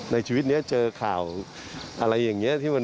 ในชีวิตนี้เจอข่าวอะไรอย่างนี้